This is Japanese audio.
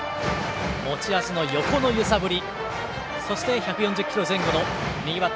持ち味の横の揺さぶり。